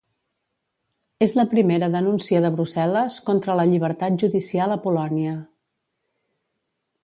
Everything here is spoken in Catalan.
És la primera denúncia de Brussel·les contra la llibertat judicial a Polònia